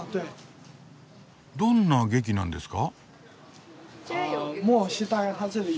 どんな劇なんですか？